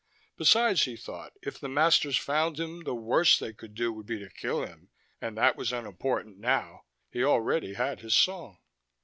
Besides, he thought, if the masters found him the worst they could do would be to kill him, and that was unimportant now: he already had his song.